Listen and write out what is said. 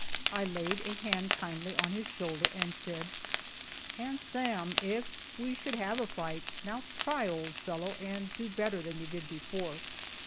I laid a hand kindly on his shoulder, and said, "And Sam, if we should have a fight, now try, old fellow, and do better than you did before."